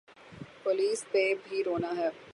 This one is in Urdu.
پولیس پہ بھی رونا ہے۔